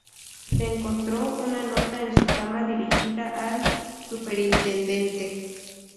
Se encontró una nota en su cama dirigida al superintendente.